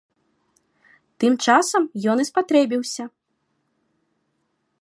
Тым часам ён і спатрэбіўся.